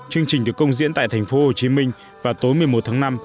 chương trình được công diễn tại thành phố hồ chí minh vào tối một mươi một tháng năm